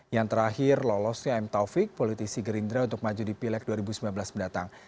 yang terakhir lolosnya m taufik politisi gerindra untuk maju di pileg dua ribu sembilan belas mendatang